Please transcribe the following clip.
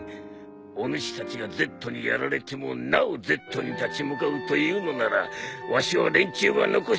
お主たちがＺにやられてもなおＺに立ち向かうというのならわしは連中が残していった最強装備を渡したい。